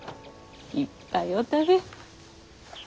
いっぱいお食べ。